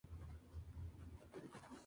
Sólo tienen un ciclo reproductivo anual.